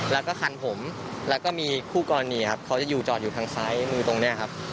แล้วก็คันผมแล้วก็มีคู่กรณีครับเขาจะอยู่จอดอยู่ทางซ้ายมือตรงนี้ครับ